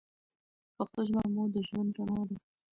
پښتو ژبه مو د ژوند رڼا ده.